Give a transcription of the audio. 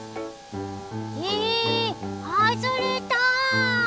えはずれた！